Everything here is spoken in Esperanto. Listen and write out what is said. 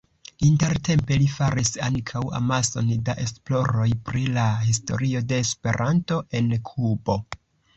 Intertempe li faris ankaŭ amason da esploroj pri la historio de Esperanto en Kubo.